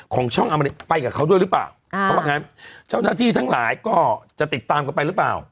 ของช่องอมรินไปกับเขาด้วยหรือเปล่าเพราะว่างั้นเจ้าหน้าที่ทั้งหลายก็จะติดตามกันไปหรือเปล่า